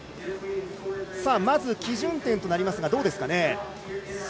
まず基準点となりますがどうですかね。